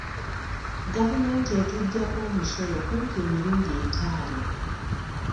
Gavumenti etuggyako omusolo kumpi emirundi etaano.